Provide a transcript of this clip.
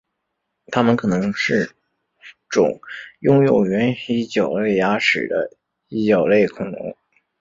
它们可能是种拥有原蜥脚类牙齿的蜥脚类恐龙。